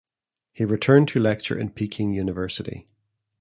He returned to lecture in Peking University.